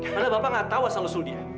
padahal bapak gak tau asal lo sudah dia